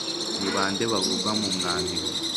Ni bande bavugwa mu mwandiko?